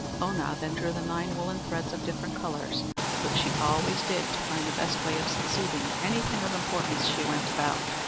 Oonagh then drew the nine woollen threads of different colours, which she always did to find out the best way of succeeding in anything of importance she went about.